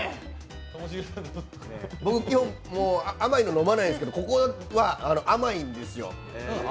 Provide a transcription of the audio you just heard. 僕、甘いの飲まないんですけど、ここはコーヒーが甘いんですよ